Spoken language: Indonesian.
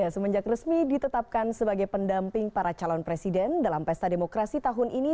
semenjak resmi ditetapkan sebagai pendamping para calon presiden dalam pesta demokrasi tahun ini